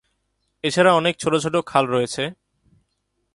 এছাড়া অনেক ছোট ছোট খাল রয়েছে।